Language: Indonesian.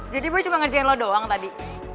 jadi boy cuma ngerjain lu doang tadi